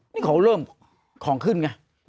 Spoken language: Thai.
นี่เขาเริ่มของขึ้นไง